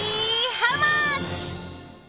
ハウマッチ。